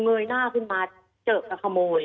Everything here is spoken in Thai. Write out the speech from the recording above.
ยหน้าขึ้นมาเจอกับขโมย